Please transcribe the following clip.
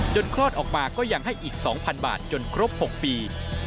คลอดออกมาก็ยังให้อีก๒๐๐บาทจนครบ๖ปี